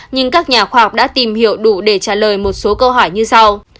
nhưng các nhà khoa học đã tìm hiểu đủ để trả lời một số câu hỏi như sau